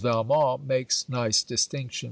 Valmont makes nice distinctions.